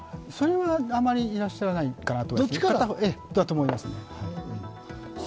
それはあんまりいらっしゃらないかなと、片方だと思います。